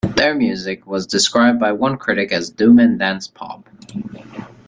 Their music was described by one critic as doom-and-dance-pop.